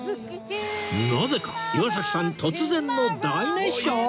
なぜか岩崎さん突然の大熱唱！？